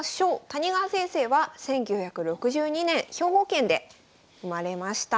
谷川先生は１９６２年兵庫県で生まれました。